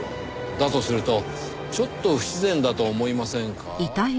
だとするとちょっと不自然だと思いませんか？